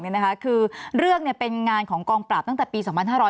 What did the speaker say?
เนี่ยนะคะคือเรื่องเนี่ยเป็นงานของกองปราบตั้งแต่ปี๒๕๖๑